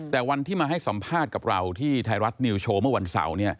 แต่วันที่มาให้สัมภาษณ์กับเราที่ไทยรัฐนิวโชว์เมื่อวันเสาร์